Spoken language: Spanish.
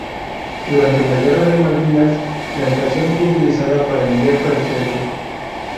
Durante la Guerra de Malvinas, la estación fue utilizada para enviar pertrechos.